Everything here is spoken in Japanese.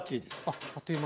あっあっという間に。